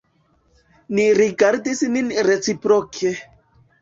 Ni rigardis nin reciproke.